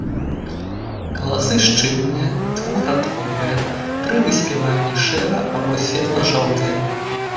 Каласы шчыльныя, двухрадковыя, пры выспяванні шэра- або светла-жоўтыя.